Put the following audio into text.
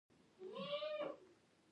قدرت د نړۍ د سترو رازونو ساتونکی دی.